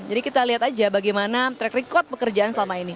kita lihat aja bagaimana track record pekerjaan selama ini